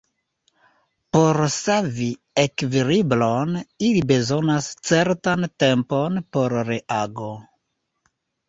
Por savi ekvilibron ili bezonas certan tempon por reago.